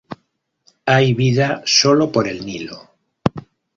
Hay vida sólo por el Nilo.